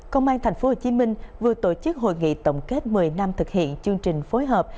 công an tp hcm vừa tổ chức hội nghị tổng kết một mươi năm thực hiện chương trình phối hợp